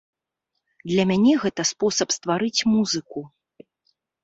Для мяне гэта спосаб ствараць музыку.